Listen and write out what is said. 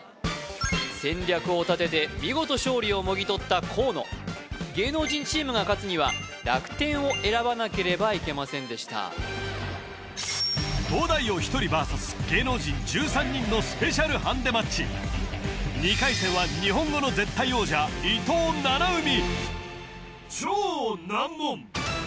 戦略を立てて見事勝利をもぎとった河野芸能人チームが勝つには楽天を選ばなければいけませんでした東大王１人ＶＳ芸能人１３人の２回戦は日本語の絶対王者伊藤七海